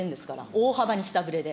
大幅に下振れで。